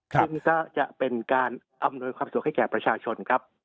ซึ่งก็จะเป็นการอำนวยความสุขให้แก่ประชาชนครับ